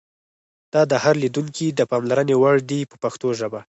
دا د هر لیدونکي د پاملرنې وړ دي په پښتو ژبه.